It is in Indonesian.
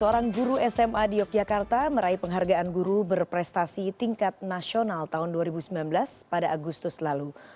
seorang guru sma di yogyakarta meraih penghargaan guru berprestasi tingkat nasional tahun dua ribu sembilan belas pada agustus lalu